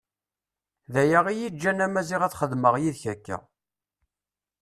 D aya iyi-iǧǧan a Maziɣ ad xedmeɣ yid-k akka.